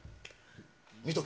見とけ。